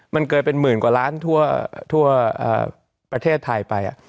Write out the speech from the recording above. มันเกินเป็นหมื่นกว่าล้านทั่วประเทศไทยไป